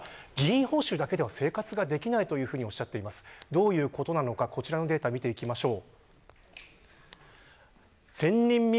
どういうことなのかこちらのデータで見ていきましょう。